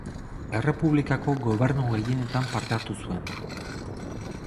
Errepublikako gobernu gehienetan parte hartu zuen.